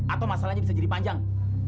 atau masalahnya bisa jadi panjang